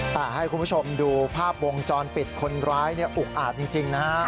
แต่ให้คุณผู้ชมดูภาพวงจรปิดคนร้ายอุกอาจจริงนะฮะ